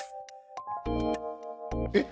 えっ。